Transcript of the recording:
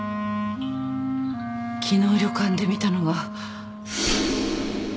昨日旅館で見たのは。